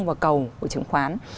và cầu của trứng khoán